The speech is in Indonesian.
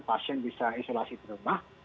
pasien bisa isolasi di rumah